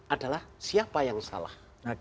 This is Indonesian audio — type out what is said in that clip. adalah siapa yang salah